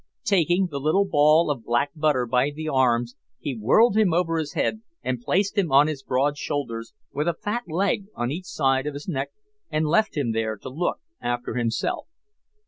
Taking the little ball of black butter by the arms, he whirled him over his head, and placed him on his broad shoulders, with a fat leg on each side of his neck, and left him there to look after himself.